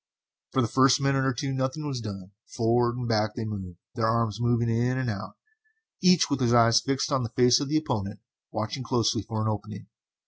For the first minute or two nothing was done. Forward and back they moved, their arms moving in and out, each with his eyes fixed on the face of his opponent, watching closely for an opening.